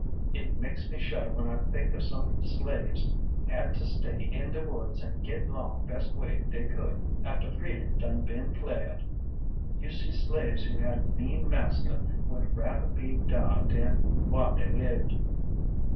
it makes me shudder when I think of some slaves had to stay in de woods an' git long best way dey could after freedom done bin' clared; you see slaves who had mean master would rather be dar den whar dey lived.